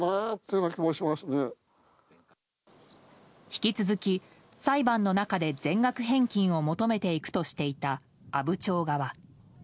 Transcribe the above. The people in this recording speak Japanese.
引き続き裁判の中で全額返金を求めていくとしていた阿武町側。